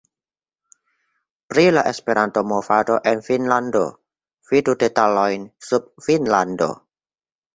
Pri la Esperanto-movado en Finnlando: vidu detalojn sub Finnlando.